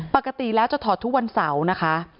ปกติแล้วจะถอดทุกวันเสาร์นะคะ